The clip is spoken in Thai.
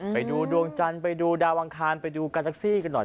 ไปดูดวงจันทร์ไปดูดาวอังคารไปดูการแท็กซี่กันหน่อย